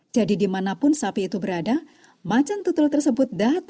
jadi dimanapun sapi itu berada macan tutul tersebut datang ke rumahnya